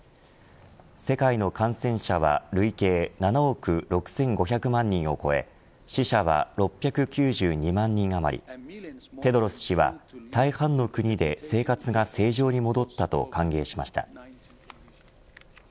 世界の感染者は累計７億６５００万人を超え死者は６９２万人余りテドロス氏は大半の国で生活が正常に戻ったと歓迎しました。